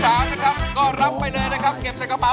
เพลงนี่๓ก็รับไปเลยนะครับเก็บใส่กระเบา